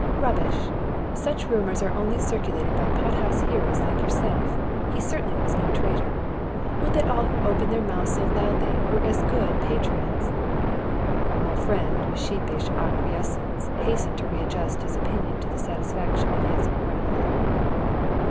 "Rubbish! Such rumours are only circulated by pot house heroes like yourself. He certainly was no traitor! Would that all who open their mouths so loudly were as good patriots?" My friend, with sheepish obsequiousness, hastened to readjust his opinion to the satisfaction of his "grandmother."